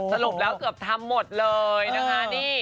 สรุปแล้วเกือบทำหมดเลยนะคะนี่